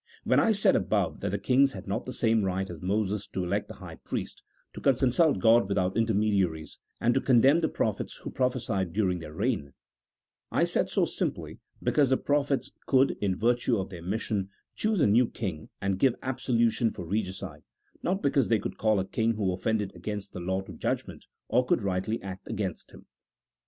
When I said above that the kings had not the same right as Moses to elect the high priest, to consult God without intermediaries, and to condemn the prophets who pro phesied during their reign ; I said so simply because the prophets could, in virtue of their mission, choose a new king and give absolution for regicide, not because they could call a king who offended against the law to judgment, or could rightly act against him.